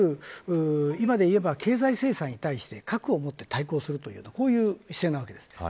今で言えば、経済制裁に対して核を持って対抗するというこういう姿勢なわけです。